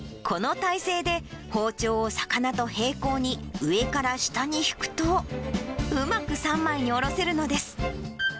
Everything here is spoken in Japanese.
この体勢で包丁を魚と平行に上から下に引くと、うまく三枚におろせるのです。